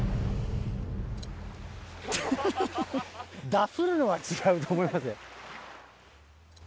ダフるのは違うと思います。